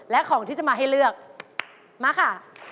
และของที่จะมาให้เลือกมาค่ะ